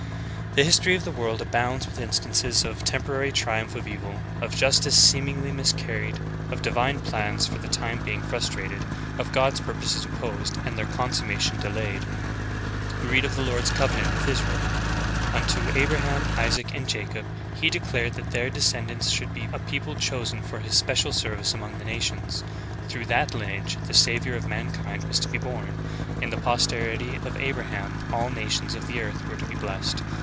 12. The history of the world abounds with instances of the temporary triumph of evil, of justice seemingly mis carried, of divine plans for the time being frustrated, of God's purposes opposed and their consummation delayed. 13. We read of the Lord's covenant with Israel. Unto Abraham, Isaac, and Jacob He declared that their descend ants should be a people chosen for His special service among the nations. Through that lineage the Savior of mankind was to be born; in the posterity of Abraham all nations of the earth were to be blessed.